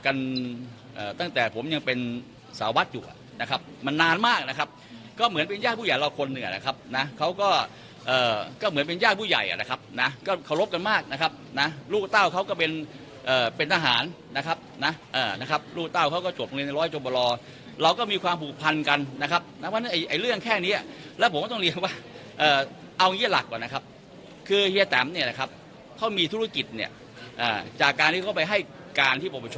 กันเอ่อตั้งแต่ผมยังเป็นสาวบัตรอยู่อะนะครับมันนานมากนะครับก็เหมือนเป็นญาติผู้ใหญ่เราคนเหนือนะครับนะเขาก็เอ่อก็เหมือนเป็นญาติผู้ใหญ่อะนะครับนะก็เคารพกันมากนะครับนะลูกเต้าเขาก็เป็นเอ่อเป็นทหารนะครับนะเอ่อนะครับลูกเต้าเขาก็จบโรงเรียนในร้อยจบบรรลเราก็มีความผูกพันกันนะครับนะเพราะฉะนั้นไอ้เรื่องแค่น